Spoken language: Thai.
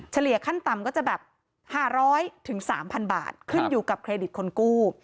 ขั้นต่ำก็จะแบบ๕๐๐๓๐๐บาทขึ้นอยู่กับเครดิตคนกู้